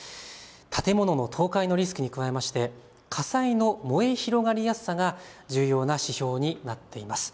建物の倒壊のリスクに加えまして火災の燃え広がりやすさが重要な指標になっています。